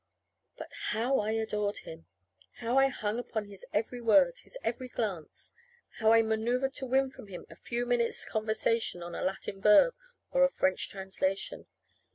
But how I adored him! How I hung upon his every word, his every glance! How I maneuvered to win from him a few minutes' conversation on a Latin verb or a French translation!